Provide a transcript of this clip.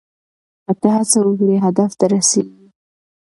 که ته هڅه وکړې هدف ته رسیږې.